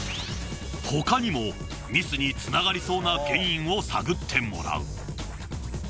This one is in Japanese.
ほかにもミスにつながりそうな原因を探ってもらう。